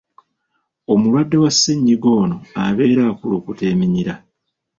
Omulwadde wa ssennyiga ono abeera akulukuta eminyira.